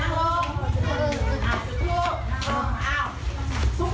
เอาล่ะนี่เอานั่งลง